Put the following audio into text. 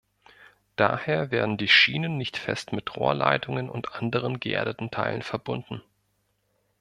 Daher werden die Schienen nicht fest mit Rohrleitungen und anderen geerdeten Teilen verbunden.